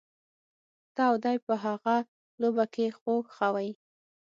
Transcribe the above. ته او دی په هغه لوبه کي خو خوئ.